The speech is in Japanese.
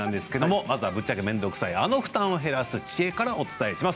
まずはぶっちゃけ面倒くさいあの負担を減らす知恵からお伝えします。